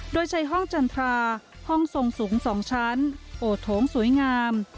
โดยใช้ห้องจันทราห้องทรงสูง๒ชั้นโอดโถงสวยงาม